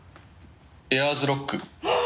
「エアーズロック」あぁ！